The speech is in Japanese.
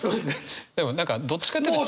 でも何かどっちかっていうと。